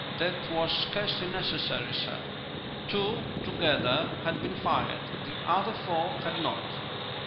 "That was scarcely necessary, sir. Two, together, had been fired; the other four had not."